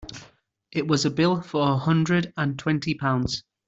It was a bill for a hundred and twenty pounds.